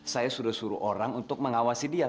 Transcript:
saya sudah suruh orang untuk mengawasi dia